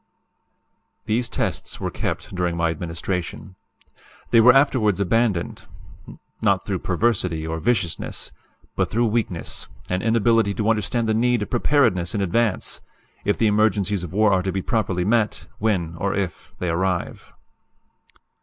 These tests were kept during my administration. They were afterwards abandoned; not through perversity or viciousness; but through weakness, and inability to understand the need of preparedness in advance, if the emergencies of war are to be properly met, when, or if, they arrive.